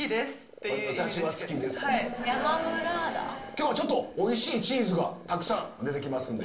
今日はおいしいチーズがたくさん出てきますんで。